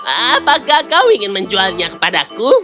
apakah kau ingin menjualnya kepadaku